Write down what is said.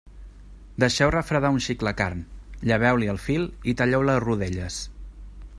Deixeu refredar un xic la carn, lleveu-li el fil i talleu-la a rodelles.